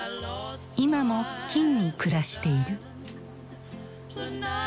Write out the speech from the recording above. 今も金武に暮らしている。